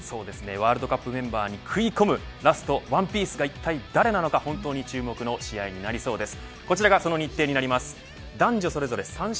ワールドカップに食い込むラストワンピースがいったい誰なのか注目な試合になりそうです。